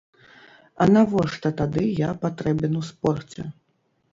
А навошта тады я патрэбен у спорце?